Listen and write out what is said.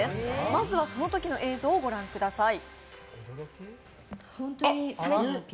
まずはそのときの映像をご覧ください。